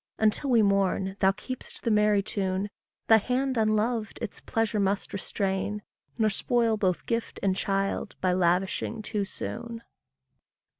Until we mourn, thou keep'st the merry tune; Thy hand unloved its pleasure must restrain, Nor spoil both gift and child by lavishing too soon.